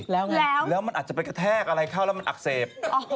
แล้วมันอาจจะไปกระแทกอะไรเข้าแล้วมันอักเสบ